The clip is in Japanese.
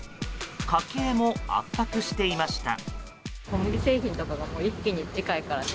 家計も圧迫していました。